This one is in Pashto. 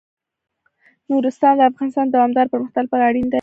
نورستان د افغانستان د دوامداره پرمختګ لپاره اړین دي.